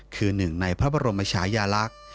คือหนึ่งในพระบรมชายาลักษณ์